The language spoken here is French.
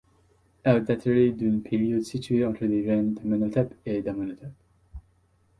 Elle daterait d'une période située entre les règnes d'Amenhotep et d'Amenhotep.